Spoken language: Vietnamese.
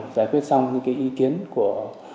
giải quyết xong những ý kiến của